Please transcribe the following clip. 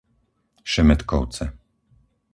Šemetkovce